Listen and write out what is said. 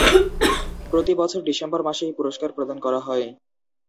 প্রতি বছর ডিসেম্বর মাসে এই পুরস্কার প্রদান করা হয়।